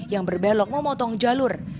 yang berbelok memotong jalur